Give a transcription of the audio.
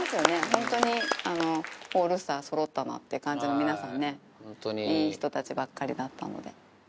ホントにオールスターそろったなって感じの皆さんねいい人たちばっかりだったので。